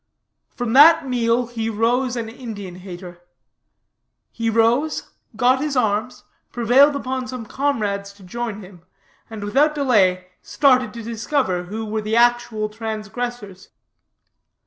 From that meal he rose an Indian hater. He rose; got his arms, prevailed upon some comrades to join him, and without delay started to discover who were the actual transgressors.